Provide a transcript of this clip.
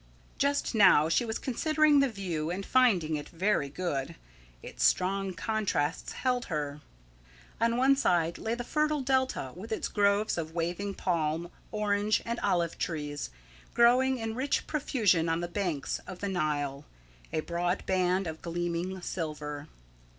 Just now she was considering the view and finding it very good. Its strong contrasts held her. On one side lay the fertile Delta, with its groves of waving palm, orange, and olive trees, growing in rich profusion on the banks of the Nile, a broad band of gleaming silver.